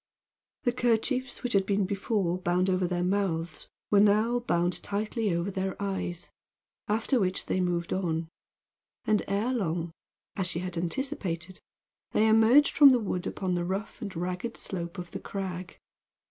The kerchiefs which had been before bound over their mouths were now bound tightly over their eyes, after which they moved on; and ere long, as she had anticipated, they emerged from the wood upon the rough and ragged slope of the crag.